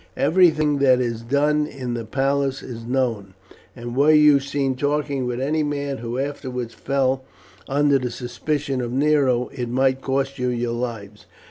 Everything that is done in the palace is known, and were you seen talking with any man who afterwards fell under the suspicion of Nero it might cost you your lives.